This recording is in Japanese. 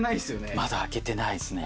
まだ開けてないですね。